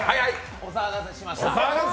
お騒がせしました。